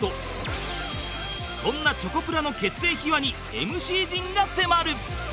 そんなチョコプラの結成秘話に ＭＣ 陣が迫る